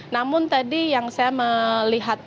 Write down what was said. namun tadi yang saya melihat